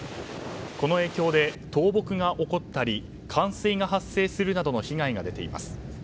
この影響で倒木が起こったり冠水が発生するなどの被害が出ています。